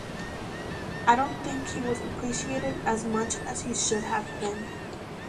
I don’t think he was appreciated as much as he should have been.